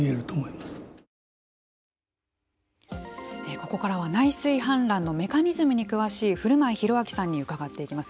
ここからは内水氾濫のメカニズムに詳しい古米弘明さんに伺っていきます。